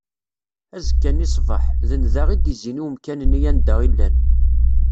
Azekka-nni ṣṣbeḥ, d nnda i d-izzin i umkan-nni anda i llan.